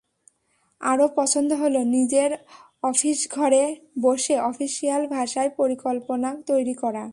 আরও পছন্দ হলো, নিজের অফিসঘরে বসে অফিশিয়াল ভাষায় পরিকল্পনা তৈরি করা।